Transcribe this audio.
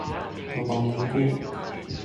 寶寶難過